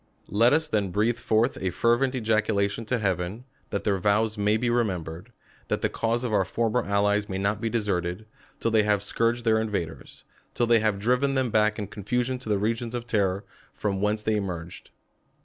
Let us then breathe forth a fervent ejaculation to Heaven, that their vows may be remem bered ; that the cause of our former allies may not be descrteil', THE COLUMBIAN ORATOR. 231^ deserted, till they have scourged their invaders, till tliey have driven them back in confusion to the regions of terror, from whence they emerged.